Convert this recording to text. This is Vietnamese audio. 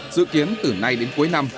dự kiến từ nay đến cuối năm